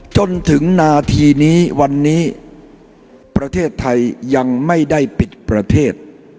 จนถึงนาทีนี้วันนี้ประเทศไทยยังไม่ได้ปิดประเทศ